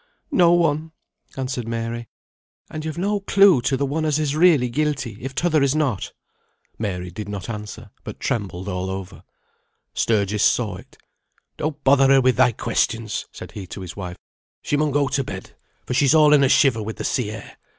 "No one!" answered Mary. "And you've no clue to the one as is really guilty, if t'other is not?" Mary did not answer, but trembled all over. Sturgis saw it. "Don't bother her with thy questions," said he to his wife. "She mun go to bed, for she's all in a shiver with the sea air.